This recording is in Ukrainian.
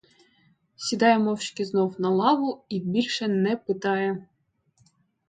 Сідає мовчки знов на лаву і більше не питає.